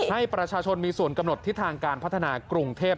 ให้ประชาชนมีส่วนกำหนดทิศทางการพัฒนากรุงเทพ